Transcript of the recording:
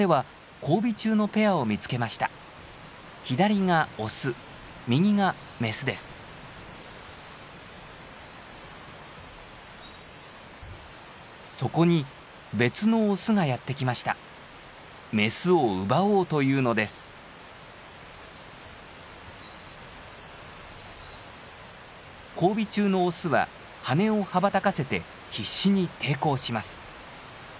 交尾中のオスは羽を羽ばたかせて必死に抵抗します。